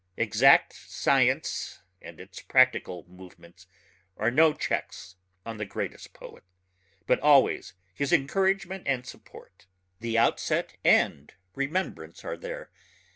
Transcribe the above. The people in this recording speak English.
Exact science and its practical movements are no checks on the greatest poet but always his encouragement and support. The outset and remembrance are there